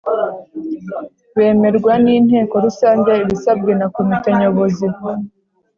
Bemerwa n’inteko rusange ibisabwe na komite nyobozi